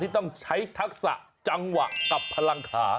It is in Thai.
ที่ต้องใช้ทักษะจังหรับพลังขา